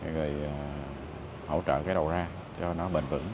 để hỗ trợ cái đầu ra cho nó bình vững